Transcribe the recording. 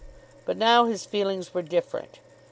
But now his feelings were different.